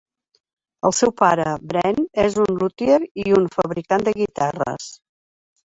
El seu pare, Brent, és un lutier i un fabricant de guitarres.